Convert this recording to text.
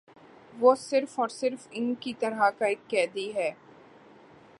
وہ صرف اور صرف ان کی طرح کا ایک قیدی ہے ا